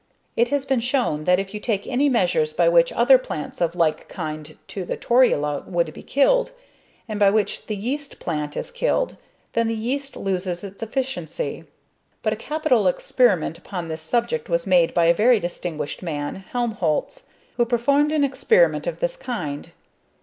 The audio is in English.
It has been shown that if you take any measures by which other plants of like kind to the torula would be killed, and by which the yeast plant is killed, then the yeast loses its efficiency. But a capital experiment upon this subject was made by a very distinguished man, Helmholz, who performed an experiment of this kind.